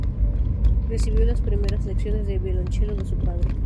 Recibió las primeras lecciones de violonchelo de su padre.